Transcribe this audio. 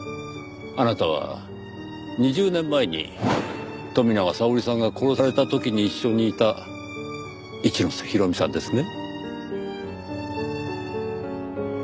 あなたは２０年前に富永沙織さんが殺された時に一緒にいた一ノ瀬弘美さんですね？